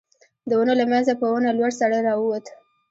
د ونو له مينځه په ونه لوړ سړی را ووت.